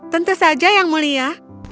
tentu saja yang mulia